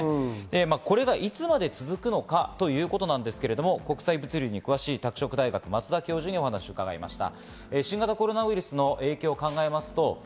これがいつまで続くのかということですけど国際物流詳しい拓殖大学松田教授にお話を伺いました。